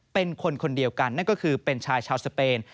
เป็นคนคนเดียวกันนั่นก็คือเป็นชายชาวสเปน